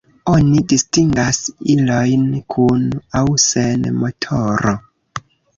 Oni distingas ilojn kun aŭ sen motoro.